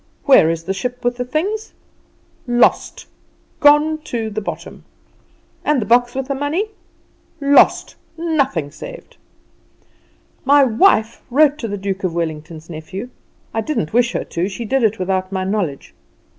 Where is the ship with the things? Lost gone to the bottom! And the box with the money? Lost nothing saved! "My wife wrote to the Duke of Wellington's nephew; I didn't wish her to; she did it without my knowledge.